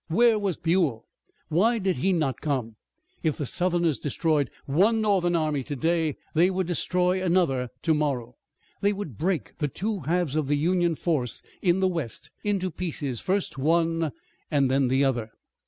Where was Buell? Why did he not come? If the Southerners destroyed one Northern army today they would destroy another tomorrow! They would break the two halves of the Union force in the west into pieces, first one and then the other.